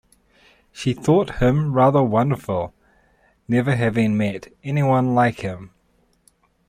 She thought him rather wonderful, never having met anyone like him.